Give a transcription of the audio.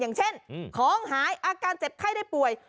อย่างเช่นของหายอาการเจ็บไข้ได้ป่วย